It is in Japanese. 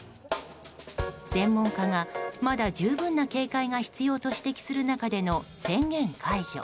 専門家がまだ十分な警戒が必要と指摘する中での宣言解除。